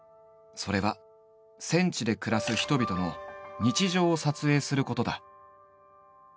それは戦地で暮らす人々の「日常」を撮影することだ。